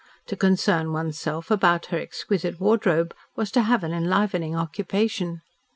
To concern one's self about her exquisite wardrobe was to have an enlivening occupation.